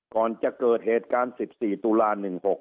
ก่อนจะเกิดเหตุการณ์๑๔ตุลา๑๖๖